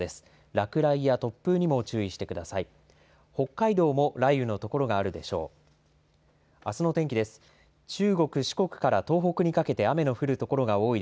落雷や突風にも注意してください。